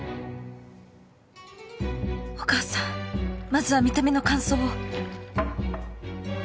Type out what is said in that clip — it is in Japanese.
お母さんまずは見た目の感想を